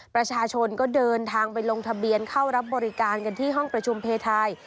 ประชาชนก็เดินทางไปลงทะเบียนเข้ารับบริการกันที่ห้องประชุมเพทาย